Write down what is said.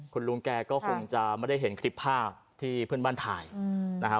คุณลุงแกก็คงจะไม่ได้เห็นคลิปภาพที่เพื่อนบ้านถ่ายนะครับ